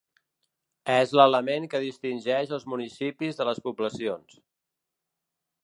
És l’element que distingeix els municipis de les poblacions.